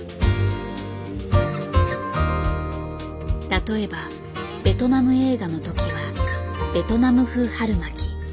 例えばベトナム映画の時はベトナム風春巻き。